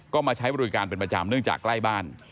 ก็มาใช้บริการเป็นประจำเนื่องจากใกล้บ้าน